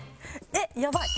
えっやばい。